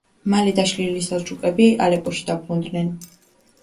მალე დაშლილი სელჩუკები ალეპოში დაბრუნდნენ.